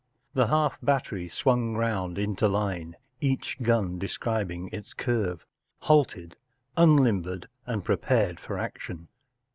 The half battery swung round into line— each gun describing its curve—halted, un¬ limbered, and prepared for action.